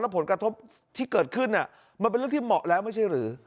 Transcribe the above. ผลกระทบที่เกิดขึ้นมันเป็นเรื่องที่เหมาะแล้วไม่ใช่หรือ